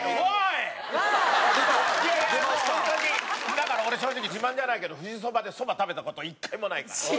だから俺正直自慢じゃないけど富士そばでそば食べた事１回もないから。